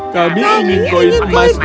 kami ingin koin emas